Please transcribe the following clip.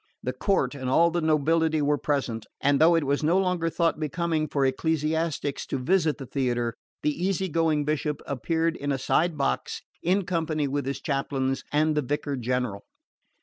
The court and all the nobility were present, and though it was no longer thought becoming for ecclesiastics to visit the theatre, the easy going Bishop appeared in a side box in company with his chaplains and the Vicar general.